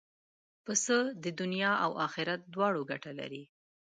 پسه د دنیا او آخرت دواړو ګټه لري.